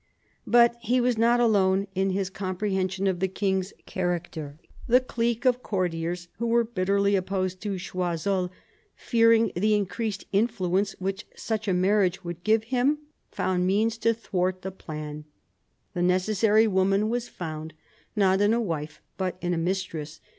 But he was not alone in his comprehension of the king's I character. The clique of courtiers who were bitterly ; opposed to Choiseul, fearing the increased influence which such a marriage would give him, found means to thwart the plan. The necessary woman was found, not in a wife, but in a mistress.